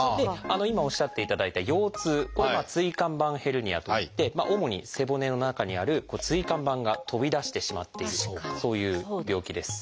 今おっしゃっていただいた腰痛これは「椎間板ヘルニア」といって主に背骨の中にある椎間板が飛び出してしまっているそういう病気です。